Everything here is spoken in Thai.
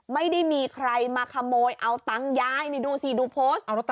ไม่ได้มีใครมาขโมยเอาตังค์ยายนี่ดูสิดูโพสต์